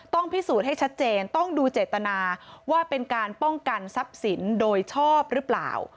พิสูจน์ให้ชัดเจนต้องดูเจตนาว่าเป็นการป้องกันทรัพย์สินโดยชอบหรือเปล่า